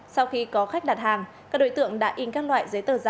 sau khi có khách đặt hàng các đối tượng đã in các loại giấy tờ giả